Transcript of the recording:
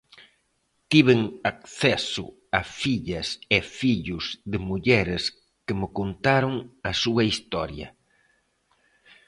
Tiven acceso a fillas e fillos de mulleres que me contaron a súa historia.